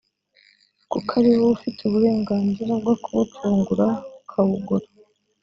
kuko ari wowe ufite uburenganzira bwo kuwucungura ukawugura